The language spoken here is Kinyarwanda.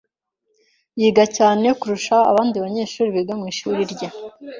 Yiga cyane kurusha abandi banyeshuri biga mu ishuri rye.